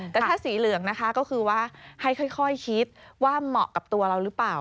แต่ถ้าสีเหลืองนะคะก็คือว่าให้ค่อยคิดว่าเหมาะกับตัวเราหรือเปล่า